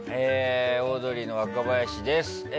オードリーの若林です。